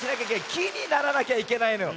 きにならなきゃいけないのよ。